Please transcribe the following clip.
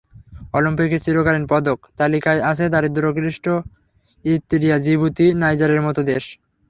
অলিম্পিকের চিরকালীন পদক তালিকায় আছে দারিদ্র্যক্লিষ্ট ইরিত্রিয়া, জিবুতি, নাইজারের মতো দেশ।